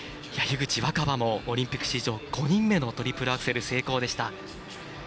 樋口新葉もオリンピック史上５人目のトリプルアクセル成功でした。